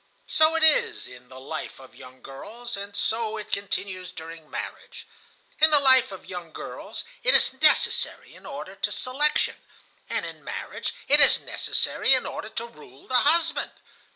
So it is in the life of young girls, and so it continues during marriage. In the life of young girls it is necessary in order to selection, and in marriage it is necessary in order to rule the husband.